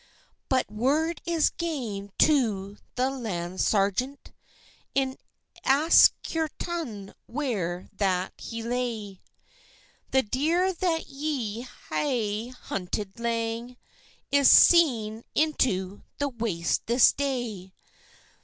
But word is gane to the Land sergeant, In Askirton where that he lay— "The deer that ye hae hunted lang, Is seen into the Waste this day."